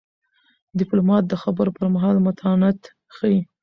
ډيپلومات د خبرو پر مهال متانت ښيي.